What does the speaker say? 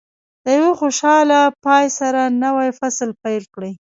د یوه خوشاله پای سره نوی فصل پیل کړئ.